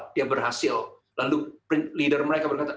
dia berhasil lalu leader mereka berkata